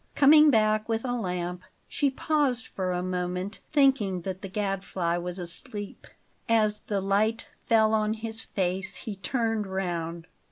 Coming back with a lamp, she paused for a moment, thinking that the Gadfly was asleep. As the light fell on his face he turned round.